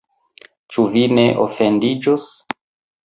Ĉu vi ne ofendiĝos?